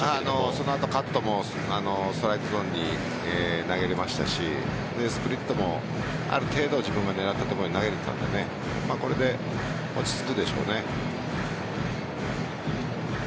その後カットもストライクゾーンに投げれましたしスプリットもある程度自分が狙ったところに投げれたのでこれで落ち着くでしょうね。